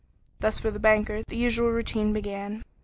Thus for the banker the usual routine began.